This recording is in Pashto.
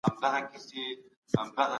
یقین